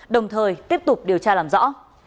đồng thời tiếp tục điều tra làm rõ